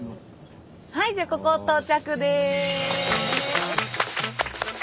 はいじゃあここ到着です。